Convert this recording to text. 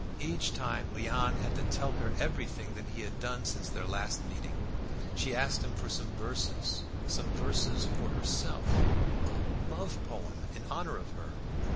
Each time Léon had to tell her everything that he had done since their last meeting. She asked him for some verses some verses "for herself," a "love poem" in honour of her.